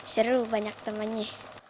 seru banyak temannya